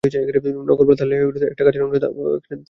নথুল্লাবাদ এলাকায় খালের একটা অংশ দখল করে স্থাপনা নির্মাণ করা হয়েছে।